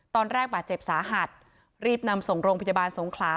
ตอนแรกบาดเจ็บสาหัสรีบนำส่งโรงพยาบาลสงขลา